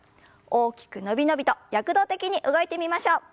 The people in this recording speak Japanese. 大きく伸び伸びと躍動的に動いてみましょう。